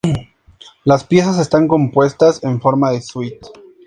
Las piezas están compuestas en forma de suite.